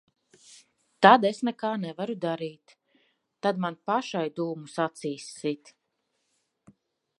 Tad es nekā nevaru darīt. Tad man pašai dūmus acīs sit.